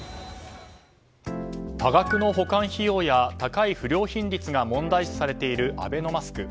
多額の保管費用や高い不良品率が問題視されているアベノマスク。